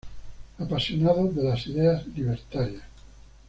Apasionado de las ideas Libertarias.